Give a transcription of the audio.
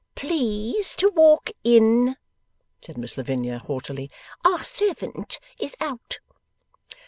'Please to walk in,' said Miss Lavinia, haughtily. 'Our servant is out.